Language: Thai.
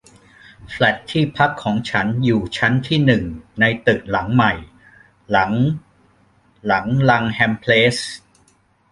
แฟลตที่พักของฉันอยู่ชั้นที่หนึ่งในตึกหลังใหม่หลังหลังลังแฮมเพลส